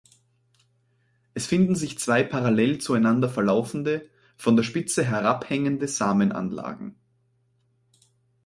Es finden sich zwei parallel zueinander verlaufende, von der Spitze herabhängende Samenanlagen.